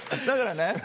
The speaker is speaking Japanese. だからね。